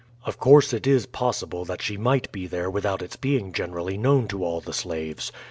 "Of course it is possible that she might be there without its being generally known to all the slaves.